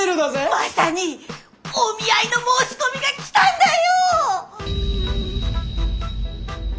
マサにお見合いの申し込みが来たんだよ！